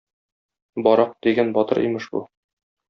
Барак дигән батыр имеш бу.